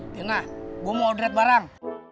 tina gue mau order barang